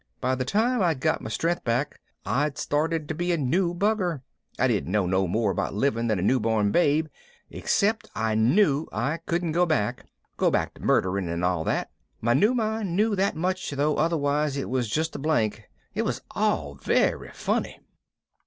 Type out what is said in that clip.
By the time I'd got my strength back I'd started to be a new bugger. I didn't know no more about living than a newborn babe, except I knew I couldn't go back go back to murdering and all that. My new mind knew that much though otherwise it was just a blank. It was all very funny."